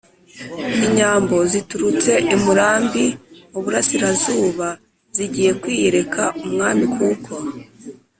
inyambo ziturutse i murambi mu burasirazuba, zigiye kwiyereka umwami kuko